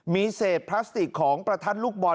มีเศษพลาสติกของประทัดลูกบอล